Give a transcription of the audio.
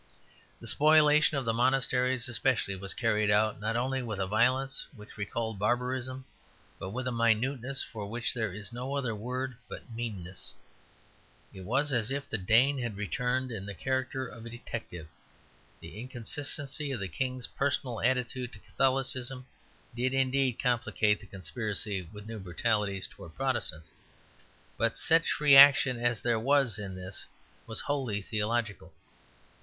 The spoliation of the monasteries especially was carried out, not only with a violence which recalled barbarism, but with a minuteness for which there is no other word but meanness. It was as if the Dane had returned in the character of a detective. The inconsistency of the King's personal attitude to Catholicism did indeed complicate the conspiracy with new brutalities towards Protestants; but such reaction as there was in this was wholly theological.